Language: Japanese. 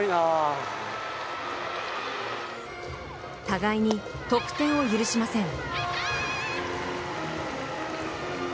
互いに得点を許しません。